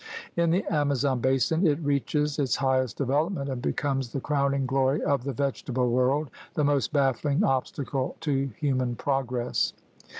In the Amazon basin it reaches its highest development and becomes the crowning glory of the vegetable world, the most baffling obstacle to human progress.